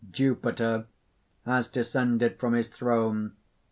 _) JUPITER (_has descended from his throne.